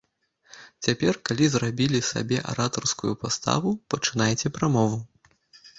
Цяпер, калі зрабілі сабе аратарскую паставу, пачынайце прамову.